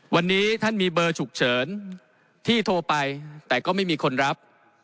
วันนี้ท่านมีเบอร์ฉุกเฉินที่โทรไปแต่ก็ไม่มีคนรับ